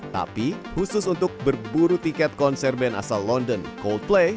tapi khusus untuk berburu tiket konserben asal london coldplay